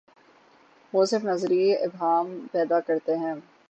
وہ صرف نظری ابہام پیدا کرتے ہیں۔